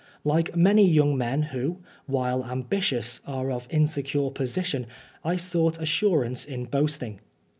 Like many young men who, while ambitious, are of insecure position, I sought assurance in boasting.